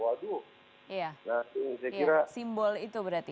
nah itu saya kira simbol itu berarti